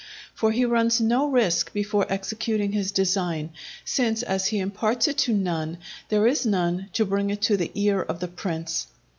For he runs no risk before executing his design, since as he imparts it to none, there is none to bring it to the ear of the prince.